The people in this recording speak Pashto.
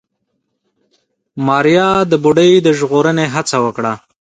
ماريا د بوډۍ د ژغورنې هڅه وکړه.